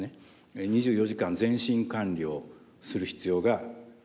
２４時間全身管理をする必要があります。